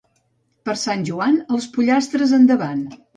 Per Sant Joan, els pollastres endavant.